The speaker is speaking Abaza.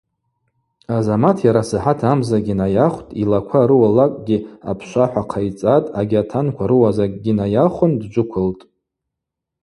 Азамат йарасахӏат амзагьи найахвтӏ, йлаква рыуа лакӏгьи апшвахӏв ахъайцӏатӏ, агьатанква рыуа закӏгьи найахвын дджвыквылтӏ.